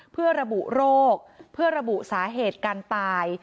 เพื่อระบุโรคเพื่อระบุสาเหตุการตาย